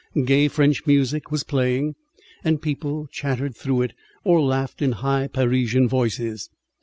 Gay French music was playing, and people chattered through it, or laughed in high Parisian voices.